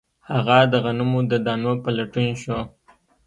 هغه د غنمو د دانو په لټون شو